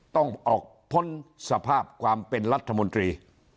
ต้องออกพ้นสภาพความเป็นรัฐมนตรี